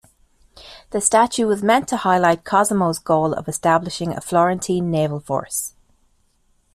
The statue was meant to highlight Cosimo's goal of establishing a Florentine Naval force.